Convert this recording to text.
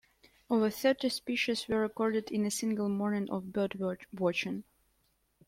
Over thirty species were recorded in a single morning of bird watching.